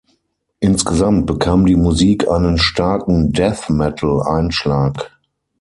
Insgesamt bekam die Musik einen starken Death-Metal-Einschlag.